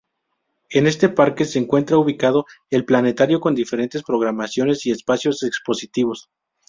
En este parque se encuentra ubicado el Planetario con diferentes programaciones y espacios expositivos.